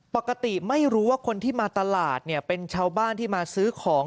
ปกติไม่รู้ว่าคนที่มาตลาดเนี่ยเป็นชาวบ้านที่มาซื้อของ